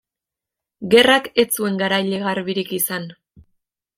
Gerrak ez zuen garaile garbirik izan.